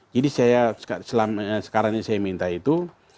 jadi sekarang yang saya minta itu